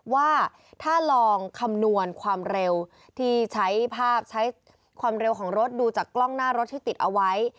ว่าถ้าลองคำนวณความเร็วที่ใช้ภาพใช้ความเร็วของรถดูจากกล้องหน้ารถที่ติดเอาไว้